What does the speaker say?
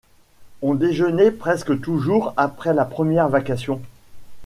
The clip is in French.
On déjeunait presque toujours après la première vacation.